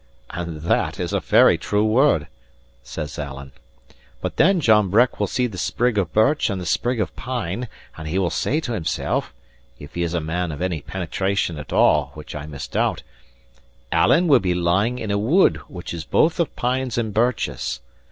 "And that is a very true word," says Alan. "But then John Breck will see the sprig of birch and the sprig of pine; and he will say to himsel' (if he is a man of any penetration at all, which I misdoubt), ALAN WILL BE LYING IN A WOOD WHICH IS BOTH OF PINES AND BIRCHES.